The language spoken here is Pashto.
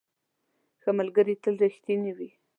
ښه ملګري تل رښتیني وي.